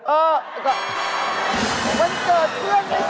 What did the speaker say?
เออแต่ก็